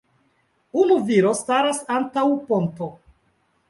Unu viro staras antaŭ ponto.